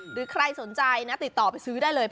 หรือใครสนใจนะติดต่อไปซื้อได้เลย